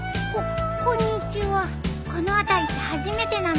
この辺り初めてなの。